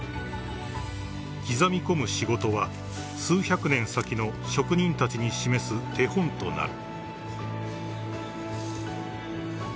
［刻み込む仕事は数百年先の職人たちに示す手本となる］